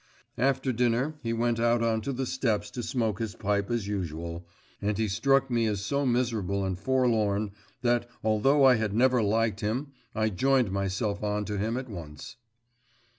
After dinner, he went out on to the steps to smoke his pipe as usual, and he struck me as so miserable and forlorn, that, although I had never liked him, I joined myself on to him at once.